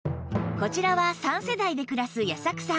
こちらは３世代で暮らす矢作さん